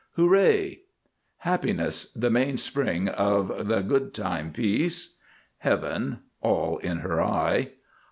Hooray! HAPPINESS. The mainspring of the good time piece. HEAVEN. "All in her eye."